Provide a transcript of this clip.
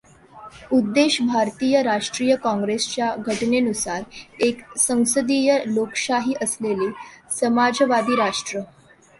उद्देश भारतीय राष्ट्रीय काँग्रेसच्या घटनेनुसार, एक संसदीय लोकशाही असलेले समाजवादी राष्ट्र